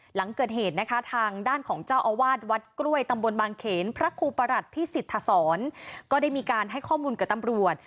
หลังเกิดเหตุนะคะทางด้านของเจ้าอาวาสวัดกล้วยตำบลบางเขนพระครูประหลัดพิสิทธศรก็ได้มีการให้ข้อมูลกับตำรวจ